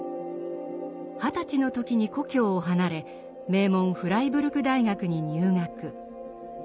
二十歳の時に故郷を離れ名門フライブルク大学に入学。